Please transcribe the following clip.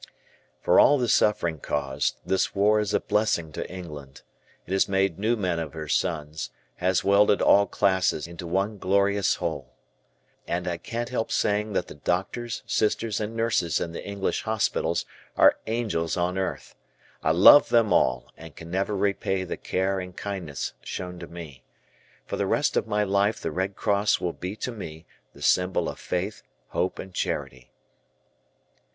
For all the suffering caused this war is a blessing to England it has made new men of her sons; has welded all classes into one glorious whole. And I can't help saying that the doctors, sisters, and nurses in the English hospitals, are angels on earth. I love them all and can never repay the care and kindness shown to me. For the rest of my life the Red Cross will be to me the symbol of Faith, Hope, and Charity.